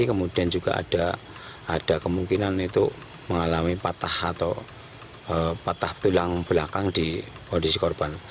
kemudian juga ada kemungkinan itu mengalami patah atau patah tulang belakang di kondisi korban